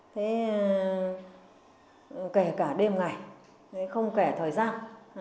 thế kể cả đêm ngày không kể thời gian